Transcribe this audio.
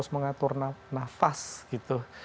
mengatur nafas gitu